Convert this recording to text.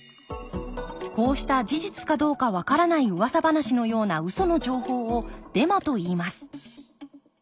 こうした事実かどうかわからないうわさ話のようなウソの情報をデマといいます。